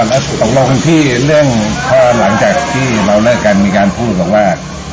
แล้วตกลงที่เรื่องพอหลังจากที่เราเลิกกันมีการพูดบอกว่า